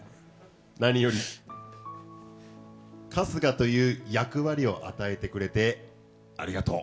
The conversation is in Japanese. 何より、春日という役割を与えてくれてありがとう。